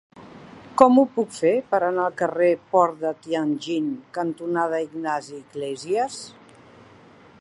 Com ho puc fer per anar al carrer Port de Tianjin cantonada Ignasi Iglésias?